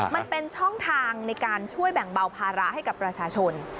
มันเป็นช่องทางในการช่วยแบ่งเบาภาระให้กับประชาชน